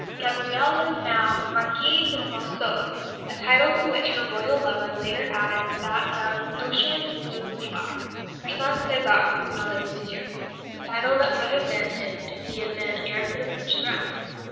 Gabrielle was now Marquise de Monceaux, a title to which her Royal lover later added that of Duchesse de Beaufort. Her son, César, was known as "Monsieur," the title that would have been his if he had been heir to the French throne.